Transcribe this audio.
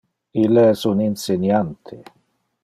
Ille es un inseniante.